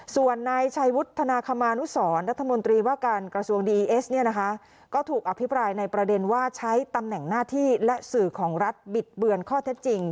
ส่วนนายชัยวุฒนาคมานุสรรัฐมนตรีว่าการกระทรวงดีเอสเนี่ยนะคะก็ถูกอภิปรายในประเด็นว่าใช้ตำแหน่งหน้าที่และสื่อของรัฐบิดเบือนข้อเท็จจริง